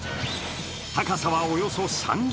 高さはおよそ３０ｍ。